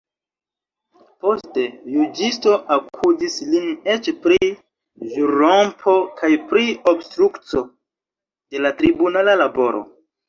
Poste, juĝisto akuzis lin eĉ pri ĵurrompo kaj pri obstrukco de la tribunala laboro.